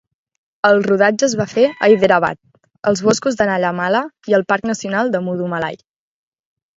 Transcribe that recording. El rodatge es va fer a Hyderabad, als boscos de Nallamala i al parc nacional de Mudumalai.